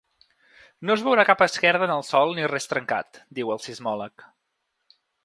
No es veurà cap esquerda en el sòl ni res trencat, diu el sismòleg.